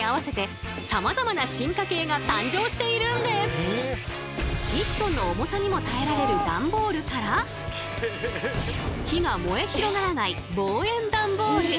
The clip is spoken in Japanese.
そう１トンの重さにも耐えられる段ボールから火が燃え広がらない防炎段ボール。